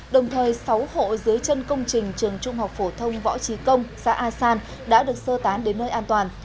đồng thời sáu hộ dưới chân công trình trường trung học phổ thông võ trí công xã a san đã được sơ tán đến nơi an toàn